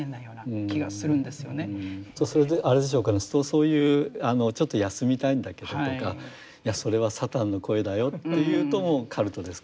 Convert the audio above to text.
そういう「ちょっと休みたいんだけど」とか「いやそれはサタンの声だよ」というともうカルトですか。